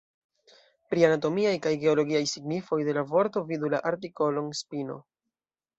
Pri anatomiaj kaj geologiaj signifoj de la vorto vidu la artikolon spino.